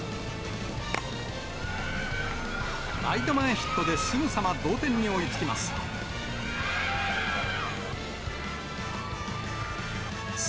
ライト前ヒットですぐさま同点に追いつきます。